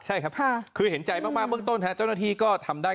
ใช่ครับคือเห็นใจมากเบื้องต้นเจ้าหน้าที่ก็ทำได้